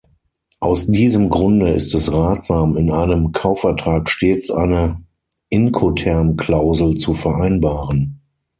Aus diesem Grunde ist es ratsam, in einem Kaufvertrag stets eine Incoterm-Klausel zu vereinbaren.